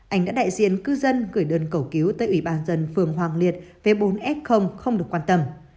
anh đã đại diện cư dân gửi đơn cầu cứu tới ủy ban dân phường hoàng liệt với bốn f không được quan tâm